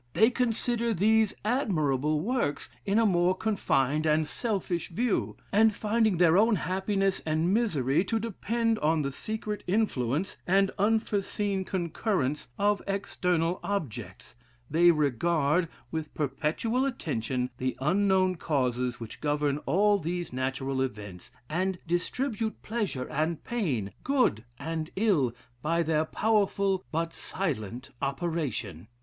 They consider these admirable works in a more confined and selfish view; and finding their own happiness and misery to depend on the secret influence, and unforeseen concurrence of external objects, they regard, with perpetual attention, the unknown causes which govern all these natural events, and distribute pleasure and pain, good and ill, by their powerful but silent operation.